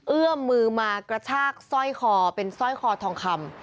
เอื้อมมือมากระชากสร้อยคอเป็นสร้อยคอทองคำ